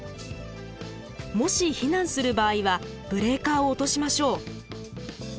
もし避難する場合はブレーカーを落としましょう。